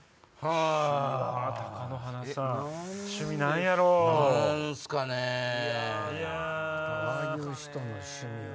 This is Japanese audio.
ああいう人の趣味は。